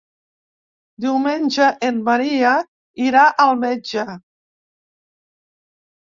Diumenge en Maria irà al metge.